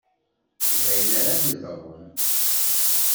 D ayen ara d-yeḍrun.